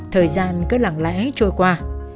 thời gian cứ lặng lẽ trôi qua